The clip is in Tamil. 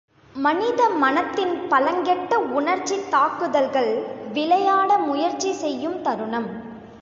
மனித மனத்தின் பலங்கெட்ட உணர்ச்சித் தாக்குதல்கள் விளையாட முயற்சி செய்யும் தருணம்.